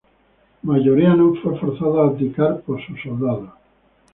Mayoriano fue forzado a abdicar por sus soldados.